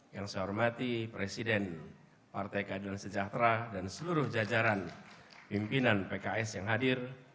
yang saya hormati presiden partai keadilan sejahtera dan seluruh jajaran pimpinan pks yang hadir